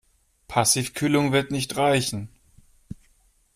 Passivkühlung wird nicht reichen.